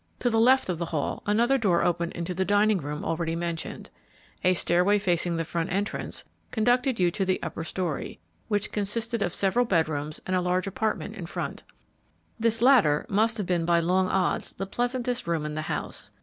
To the left of the hall, another door opened into the dining room already mentioned. A stairway facing the front entrance, conducted you to the upper story, which consisted of several bed rooms and a large apartment in front. This latter must have been by long odds the pleasantest room in the house.